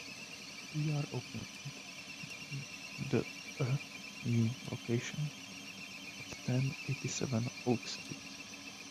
We are opening the a new location at ten eighty-seven Oak Street.